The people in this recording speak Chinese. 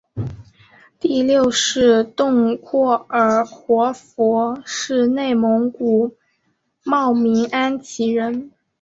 第六世洞阔尔活佛是内蒙古茂明安旗人。